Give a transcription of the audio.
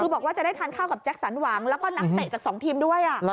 คือบอกว่าจะได้ทานข้าวกับแจ็คสันหวังแล้วก็นักเตะจาก๒ทีมด้วย